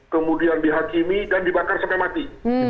kemudian dihakimi dan dibakar sampai mati